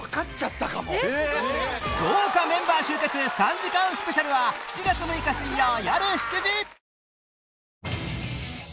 豪華メンバー集結３時間スペシャルは７月６日水曜よる７時！